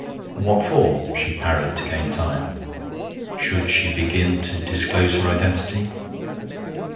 'What for?' she parried, to gain time. Should she begin to disclose her identity?